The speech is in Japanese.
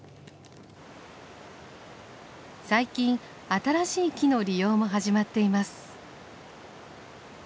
最近新しい木の利用も始まっています。